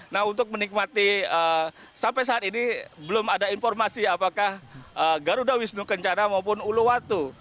nah untuk menikmati sampai saat ini belum ada informasi apakah garuda wisnu kencana maupun uluwatu